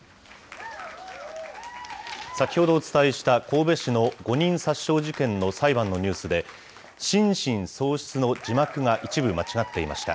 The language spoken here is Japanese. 先ほどお伝えした神戸市の５人殺傷事件の裁判のニュースで、心神喪失の字幕が一部間違っていました。